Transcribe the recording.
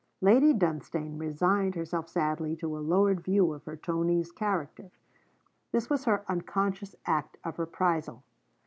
Lady Dunstane resigned herself sadly to a lowered view of her Tony's character. This was her unconscious act of reprisal.